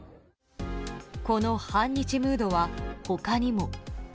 この反日ムードは他にも。